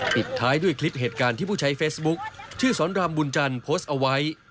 ปิดท้ายด้วยคลิปเหตุการณ์ที่ผู้ใช้เฟซบุ๊คชื่อสอนรามบุญจันทร์โพสต์เอาไว้